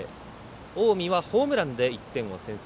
近江はホームランで１点を先制。